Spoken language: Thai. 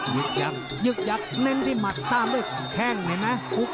ยึกยับยึกยับเน้นที่หมัดตามด้วยแข้งเห็นมั้ย